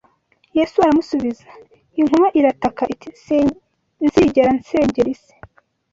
Yesu aramusubiza, inkuba irataka iti:" Sinzigera nsengera isi